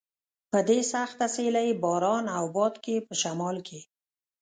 په دې سخته سیلۍ، باران او باد کې په شمال کې.